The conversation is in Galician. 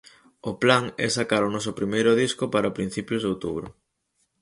O plan é sacar o noso primeiro disco para principios de outubro.